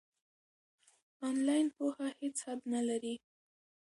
آنلاین پوهه هیڅ حد نلري.